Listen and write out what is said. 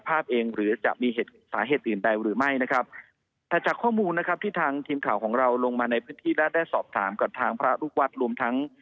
ภาพเองหรือจะมีเหตุสาเหตุอื่นใดหรือไม่นะครับแต่จากข้อมูลนะครับที่ทางทีมข่าวของเราลงมาในพื้นที่และได้สอบถามกับทางพระลูกวัดรวมทั้ง